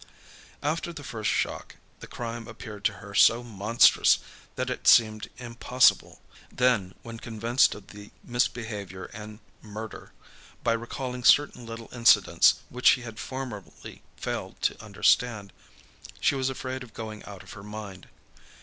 After the first shock, the crime appeared to her so monstrous that it seemed impossible. Then, when convinced of the misbehaviour and murder, by recalling certain little incidents which she had formerly failed to understand, she was afraid of going out of her mind.